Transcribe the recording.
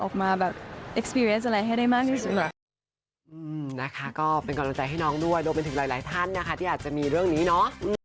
กำลังใจให้น้องด้วยโดยมันถึงหลายท่านนะคะที่อาจจะมีเรื่องนี้เนาะ